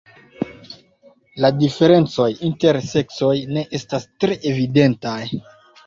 La diferencoj inter seksoj ne estas tre evidentaj.